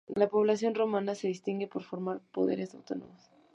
La población romana se distingue por formar poderes autónomos.